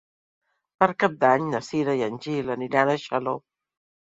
Per Cap d'Any na Cira i en Gil aniran a Xaló.